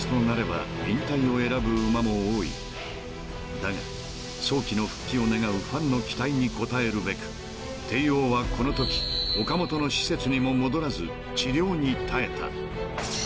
［だが早期の復帰を願うファンの期待に応えるべくテイオーはこのとき岡元の施設にも戻らず治療に耐えた］